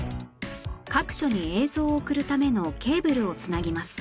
各所に映像を送るためのケーブルを繋ぎます